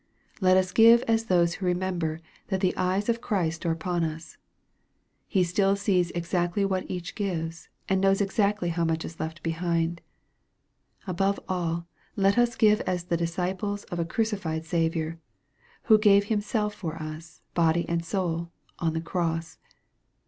Let us give as those who remember that the eyes of Christ are upon as. He still sees exactly what each gives, and knows exactly how much is left behind. Above all let us give as the disciples of a crucified Saviour, who gave Himself for us, body and soul, on the cross.